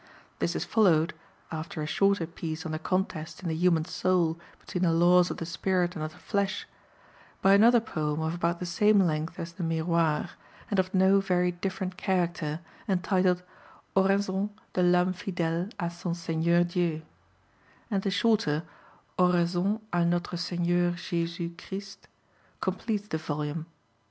This is followed (after a shorter piece on the contest in the human soul between the laws of the spirit and of the flesh) by another poem of about the same length as the Miroir, and of no very different character, entitled Oraison de L'Ame Fidèle à son Seigneur Dieu, and a shorter Oraison à Notre Seigneur Jésus Christ completes the volume.